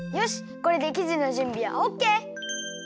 これできじのじゅんびはオッケー！